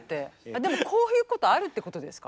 でもこういうことあるってことですか？